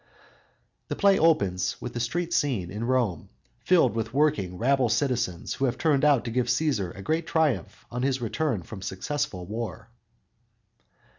The play opens with a street scene in Rome filled with working, rabble citizens who have turned out to give Cæsar a great triumph on his return from successful war.